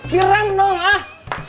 di rem dong ah